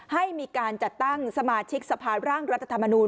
ให้มีการจัดตั้งสมาชิกสภาร่างรัฐธรรมนูล